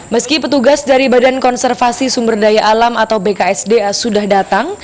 meski petugas dari badan konservasi sumber daya alam atau bksda sudah datang